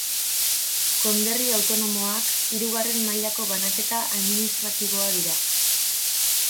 Konderri autonomoak, hirugarren mailako banaketa administratiboa dira.